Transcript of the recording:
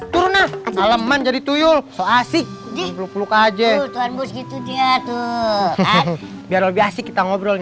turunlah aleman jadi tuyul asik diperluk perluk aja gitu ya tuh biar lebih asyik kita ngobrol